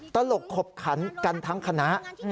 ตลกขบขันกันทั้งคณะ